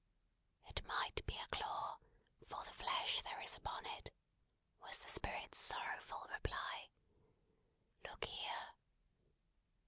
"It might be a claw, for the flesh there is upon it," was the Spirit's sorrowful reply. "Look here."